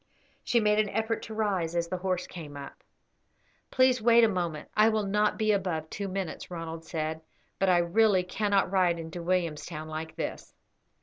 She made an effort to rise as the horse came up. "Please wait a moment; I will not be above two minutes," Ronald said; "but I really cannot ride into Williamstown like this."